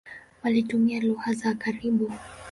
Walitumia lugha za karibu.